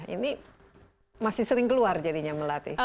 ini masih sering keluar jadinya melatih